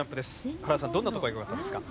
原田さん、どんなところがよかったですか？